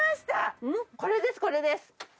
これですこれです。